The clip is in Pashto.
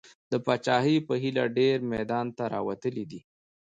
د پاچاهۍ په هیله ډېر میدان ته راوتلي دي.